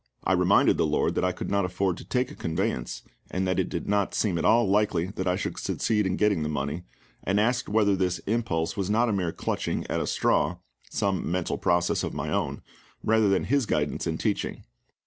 I reminded the LORD that I could not afford to take a conveyance, and that it did not seem at all likely that I should succeed in getting the money, and asked whether this impulse was not a mere clutching at a straw, some mental process of my own, rather than His guidance and teaching.